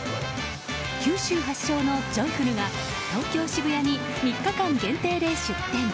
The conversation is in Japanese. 九州発祥のＪｏｙｆｕｌｌが東京・渋谷に３日限定で出店。